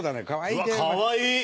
かわいい！